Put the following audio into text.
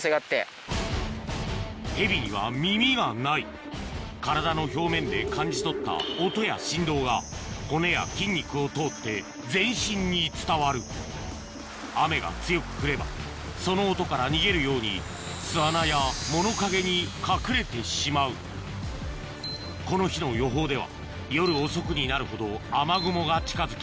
ヘビには耳がない体の表面で感じ取った音や振動が骨や筋肉を通って全身に伝わる雨が強く降ればその音から逃げるように巣穴や物陰に隠れてしまうこの日の予報では夜遅くになるほど雨雲が近づき